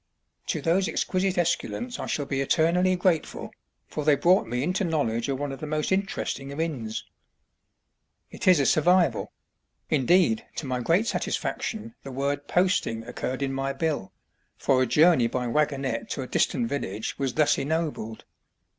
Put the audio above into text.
To those exquisite esculents I shall be eternally grateful, for they brought me into knowledge of one of the most interesting of inns. It is a survival; indeed, to my great satisfaction, the word "posting" occurred in my bill, for a journey by wagonette to a distant village was thus ennobled.